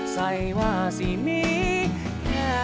ใส่ว่าสิมีแค่